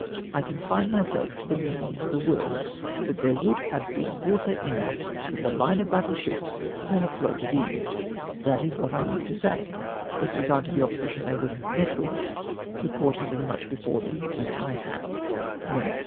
— "I confine myself to the iiieaninrj of the ivords, that there would have been water ENOUGir fou THE LINE OF BATTLE SHIPS TO HAVE FLOATED IN. That is wliat I mean to say. With regard to the opposition they would have met with, the court have as much before THEM AS T HxVVE."* {MluuteS, ^.